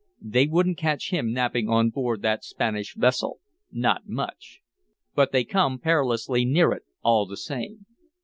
They wouldn't catch him napping on board that Spanish vessel not much! But they come perilously near it all the same.